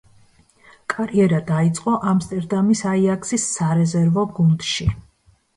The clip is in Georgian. კარიერა დაიწყო „ამსტერდამის აიაქსის“ სარეზერვო გუნდში.